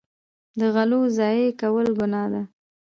د غلو ضایع کول ګناه ده.